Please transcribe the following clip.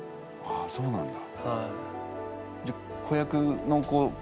そうなんだ。